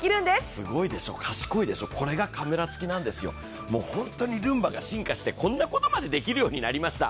すごいでしょ賢いでしょ、これがカメラ付きなんですよ、本当にルンバが進化してこんなことまでできるようになりました。